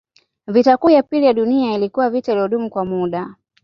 Vita Kuu ya Pili ya Dunia ilikuwa vita iliyodumu kwa muda